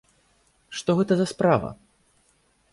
Што гэта за справа?